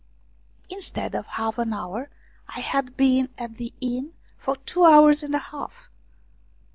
Instead of half an hour, I had been at the inn for two hours and a half!